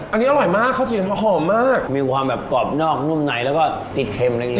อันนี้อร่อยมากข้าวจี่นะครับหอมมากมีความแบบกรอบนอกนุ่มในแล้วก็ติดเค็มอะไรอย่างนี้